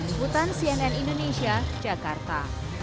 ibutan cnn indonesia jakarta